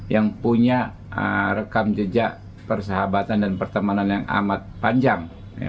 yang punya rekam jejak persahabatan dan pertemanan yang amat panjang